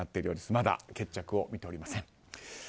まだ決着を見ておりません。